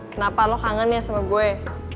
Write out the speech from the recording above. kenapa lo kangen ya sama gue